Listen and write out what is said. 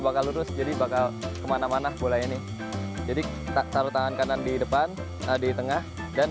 bakal lurus jadi bakal kemana mana bolanya ini jadi taruh tangan kanan di depan di tengah dan